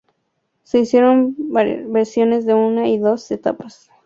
Se hicieron versiones de una y dos etapas.